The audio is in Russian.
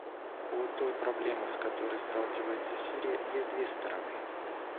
У той проблемы, с которой сталкивается Сирия, есть две стороны.